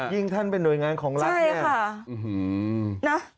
ยิ่งท่านเป็นหน่วยงานของรัฐเนี่ยนะ